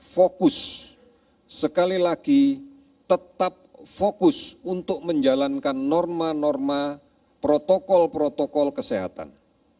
fokus sekali lagi tetap fokus untuk menjalankan norma norma protokol protokol kesehatan